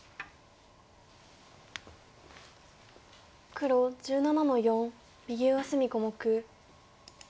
黒１７の四右上隅小目。